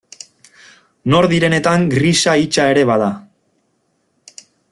Nor direnetan grisa hitsa ere bada.